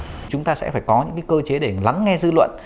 thì chúng ta sẽ phải có những cơ chế để lắng nghe dư luận